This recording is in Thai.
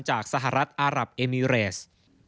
จากสหรัฐอารับเอมิเรส